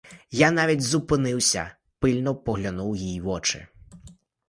Я навіть зупинився, пильно поглянув їй в очі.